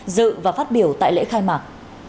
dự và phát biểu tại lễ khai mạc